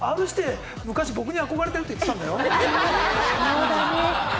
Ｒ−指定、昔、僕に憧れてるって言ってたんだよ。